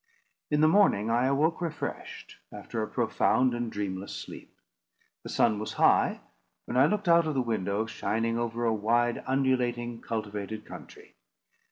In the morning I awoke refreshed, after a profound and dreamless sleep. The sun was high, when I looked out of the window, shining over a wide, undulating, cultivated country.